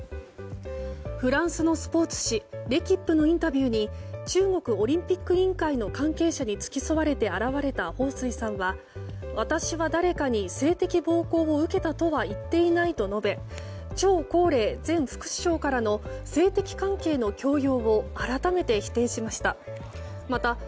フランスのスポーツ紙レキップのインタビューに中国オリンピック委員会の関係者に付き添われて現れたホウ・スイさんは私は誰かに性的暴行を受けたとは言っていないと述べチョウ・コウレイ前副首相からの性的関係の強要を改めて否定しました。